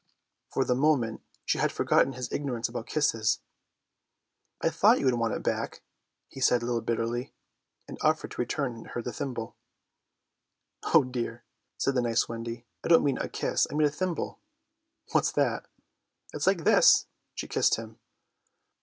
For the moment she had forgotten his ignorance about kisses. "I thought you would want it back," he said a little bitterly, and offered to return her the thimble. "Oh dear," said the nice Wendy, "I don't mean a kiss, I mean a thimble." "What's that?" "It's like this." She kissed him.